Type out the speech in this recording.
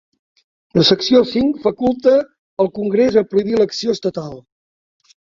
La secció cinc faculta el Congrés a prohibir l'acció estatal.